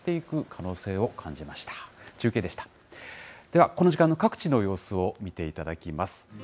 では、この時間の各地の様子を見ていただきます。